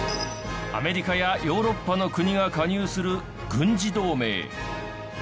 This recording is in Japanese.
アメリカやヨーロッパの国が加入する軍事同盟。